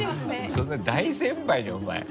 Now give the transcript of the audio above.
そんな大先輩にお前。